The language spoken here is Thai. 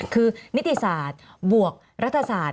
คือนิติศาสตร์บวกรัฐศาสตร์